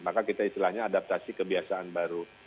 maka kita istilahnya adaptasi kebiasaan baru